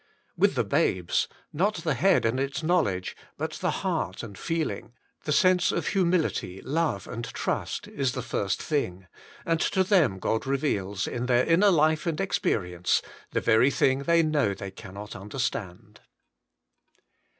With the 77 78 The Inner Chamber babes, not the head and its knowledge but the heart and Feeling, the sense of humility, love and trust, is the first thing, and to them God reveals, in their inner life and experience, the Very Thing They Kjnow They Cannot Un dekstand.